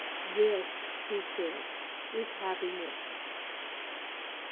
"This," he said, "is happiness."